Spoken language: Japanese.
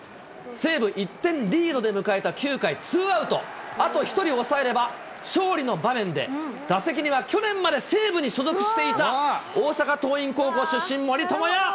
西武、１点リードで迎えた９回ツーアウト、あと１人抑えれば勝利の場面で、打席には去年まで西武に所属していた、大阪桐蔭高校出身、森友哉。